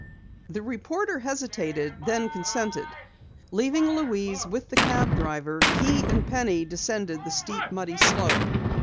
The reporter hesitated, then consented. Leaving Louise with the cab driver, he and Penny descended the steep, muddy slope.